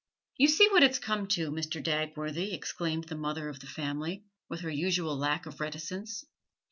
'You see what it's come to, Mr. Dagworthy,' exclaimed the mother of the family, with her usual lack of reticence.